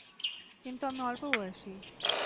কিন্তু আমি অল্পবয়সী!